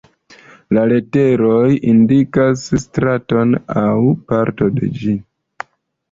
La literoj indikas straton aŭ parton de ĝi.